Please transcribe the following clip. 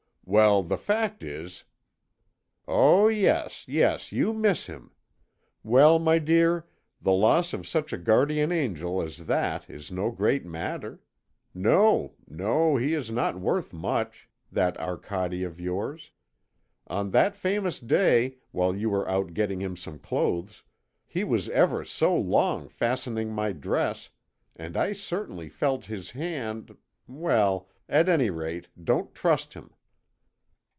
"Well, the fact is...." "Oh, yes, yes, you miss him. Well, my dear, the loss of such a guardian angel as that is no great matter. No, no! he is not worth much, that Arcade of yours. On that famous day, while you were out getting him some clothes, he was ever so long fastening my dress, and I certainly felt his hand.... Well, at any rate, don't trust him."